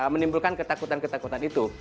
menimbulkan ketakutan ketakutan itu